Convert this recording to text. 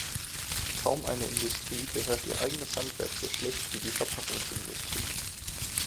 Kaum eine Industrie beherrscht ihr eigenes Handwerk so schlecht wie die Verpackungsindustrie.